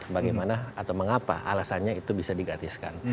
bagaimana atau mengapa alasannya itu bisa digratiskan